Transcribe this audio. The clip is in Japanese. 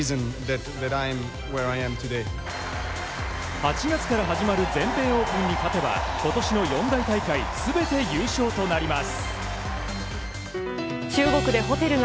８月から始まる全米オープンに勝てば今年の四大大会全て優勝となります。